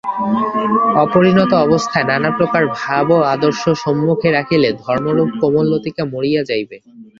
অপরিণত অবস্থায় নানাপ্রকার ভাব ও আদর্শ সম্মুখে রাখিলে ধর্মরূপ কোমল লতিকা মরিয়া যাইবে।